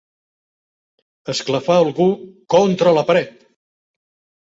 Esclafar algú contra la paret.